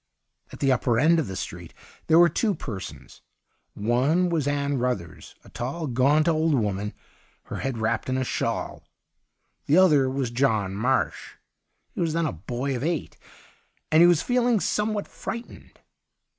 At the upper end of the street there were two persons. One was Ann Ruthers, a tall, gaunt old woman, her head wrapped in a shawl ; the other was John Marsh. He was then a boy of eight, and he was feeling some what frightened.